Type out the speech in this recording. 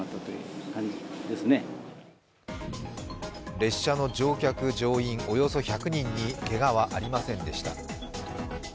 列車の乗客・乗員およそ１００人にけがはありませんでした。